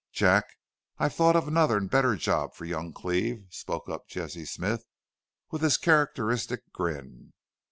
"Jack, I've thought of another an' better job for young Cleve," spoke up Jesse Smith, with his characteristic grin.